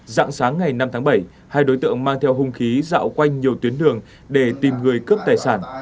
dạng sáng ngày năm tháng bảy hai đối tượng mang theo hung khí dạo quanh nhiều tuyến đường để tìm người cướp tài sản